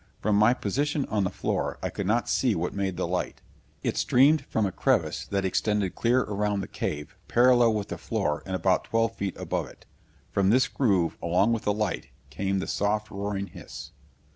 From my position on the floor I could not see what made the light. It streamed from a crevice that extended clear around the cave parallel with the floor and about twelve feet above it. From this groove, along with the light, came the soft roaring hiss.